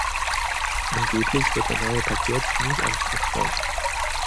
Angeblich wird der neue Parkour ziemlich anspruchsvoll.